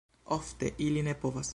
Ofte ili ne povas.